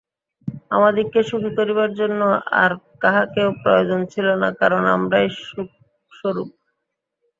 আমাদিগকে সুখী করিবার জন্য আর কাহাকেও প্রয়োজন ছিল না, কারণ আমরাই সুখস্বরূপ।